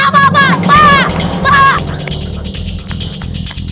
pak pak pak pak pak